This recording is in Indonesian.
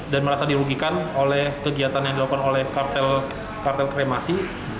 dan merasa dirugikan oleh kegiatan yang dilakukan oleh kartel kremasi